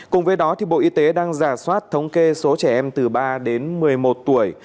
cùng với đó bộ y tế đang giả soát thống kê số trẻ em từ ba đến một mươi một tuổi